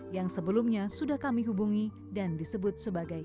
yang sebelumnya sudah kami hubungi dan disebut sebagai